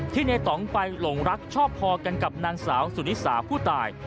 ในต่องไปหลงรักชอบพอกันกับนางสาวสุนิสาผู้ตาย